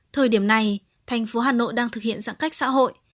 thời điểm này thành phố hà nội đang thực hiện giãn cách xã hội